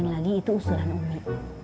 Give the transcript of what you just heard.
dan lagi itu usulan ummi